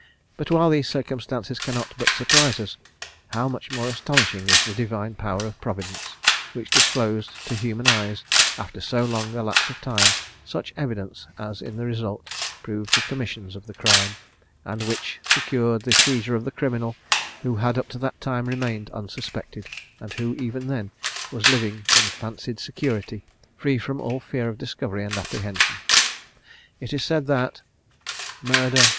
But while these circumstances cannot but surprise us, how much more astonishing is the Divine power of Providence, which disclosed to human eyes, after so long a lapse of time, such evidence as in the result proved the commission of the crime, and which secured the seizure of the criminal, who had up to that time remained unsuspected, and who even then was living in fancied security, free from all fear of discovery and apprehension! It is said that " Murder!